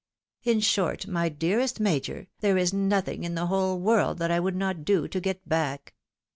In short, my dearest Major, there is nothing in the whole world that I would not do to get back."